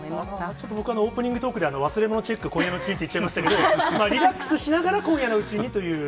ちょっと僕、オープニングトークで、忘れ物チェック、言っちゃいましたけど、リラックスしながら、今夜のうちにという。